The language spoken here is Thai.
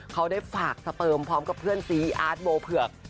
เขาได้ฝากสเปิมพร้อมกับเพื่อนซีอาร์ตโบเผือก